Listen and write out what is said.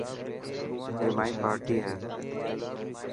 اي مائي پارٽي هي.